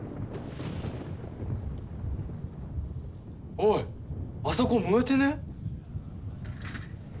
おいあそこ燃えてねぇ？